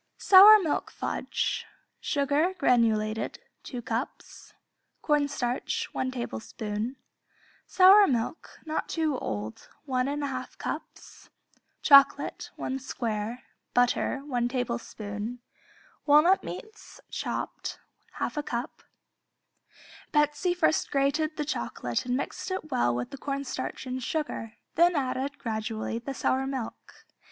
Sour Milk Fudge Sugar (granulated), 2 cups Cornstarch, 1 tablespoon Sour milk (not too old), 1 1/2 cups Chocolate, 1 square Butter, 1 tablespoon Walnut meats (chopped), 1/2 cup Betsey first grated the chocolate and mixed it well with the cornstarch and sugar, then added, gradually, the sour milk.